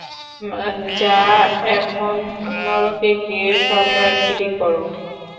যা, এখন নরকে গিয়ে সম্রাটগিরী কর!